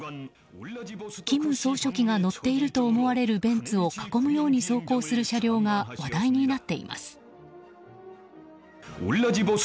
金総書記が乗っていると思われるベンツを囲むように走行する車両が話題になっています。